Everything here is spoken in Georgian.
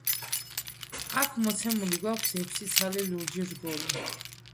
აქ მოცემული გვაქვს ექვსი ცალი ლურჯი რგოლი.